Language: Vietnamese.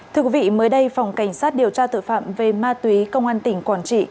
thưa quý vị mới đây phòng cảnh sát điều tra tội phạm về ma túy công an tỉnh quảng trị